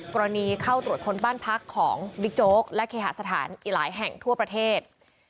กรณีเข้าตรวจค้นบ้านพักของบิ๊กโจ๊กและเคหาสถานอีกหลายแห่งทั่วประเทศ